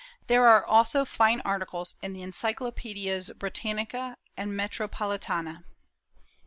There are also fine articles in the Encyclopaedias Britannica and Metropolitana.